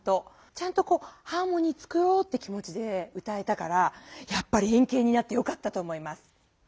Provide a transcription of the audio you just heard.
ちゃんとハーモニー作ろうという気持ちで歌えたからやっぱり円形になってよかったと思います。